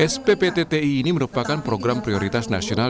spptti ini merupakan program prioritas nasional